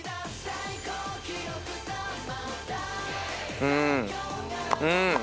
うん、うん！